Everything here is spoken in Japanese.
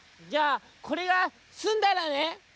「じゃあこれがすんだらね」。